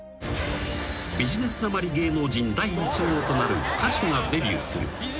［ビジネスなまり芸能人第１号となる歌手がデビューする］